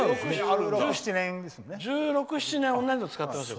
１６１７年同じの使ってますよ。